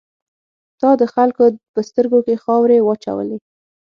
تا د خلکو په سترګو کې خاورې واچولې.